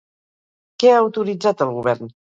Què ha autoritzat el govern?